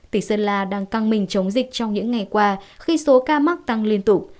tỉnh sơn la đang căng mình chống dịch trong những ngày qua khi số ca mắc tăng liên tục